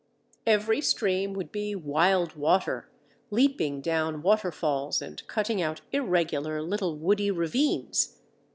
Every stream would be "wild water" leaping down waterfalls and cutting out irregular, little woody ravines.